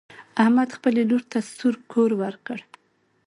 احمد خپلې لور ته سور کور ورکړ.